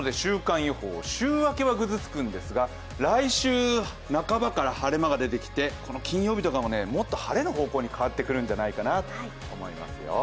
週明けはぐずつくんですが来週半ばから晴れ間が出てきて金曜日とかももっと晴れる方向に変わってくるんじゃないかと思います。